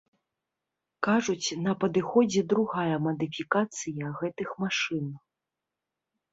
Кажуць, на падыходзе другая мадыфікацыя гэтых машын.